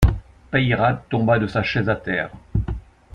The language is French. Peyrade tomba de sa chaise à terre.